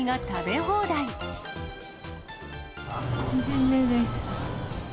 ２巡目です。